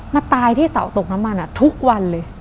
มาตายที่เสาตกน้ำมันทุกวันเลย